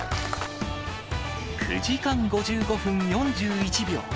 ９時間５５分４１秒。